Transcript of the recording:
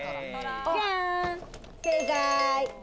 正解！